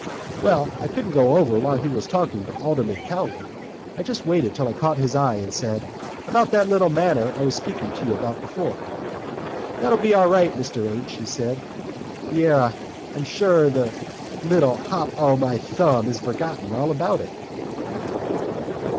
"Well, I couldn't go over while he was talking to Alderman Cowley. I just waited till I caught his eye, and said: 'About that little matter I was speaking to you about....' 'That'll be all right, Mr H.,' he said. Yerra, sure the little hop o' my thumb has forgotten all about it."